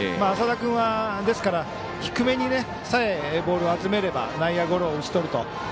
浅田君は、低めにさえボールを集めれば内野ゴロを打ち取ると。